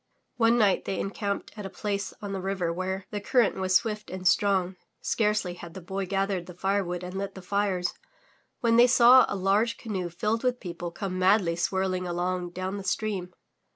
One night they encamped at a place on the river where the current was swift and strong. Scarcely had the Boy gathered the firewood and lit the fires, when they saw a large canoe filled with people come madly swirl ing along down the stream.